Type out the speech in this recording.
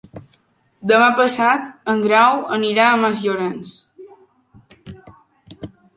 Demà passat en Grau anirà a Masllorenç.